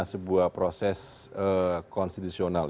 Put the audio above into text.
sebuah proses konstitusional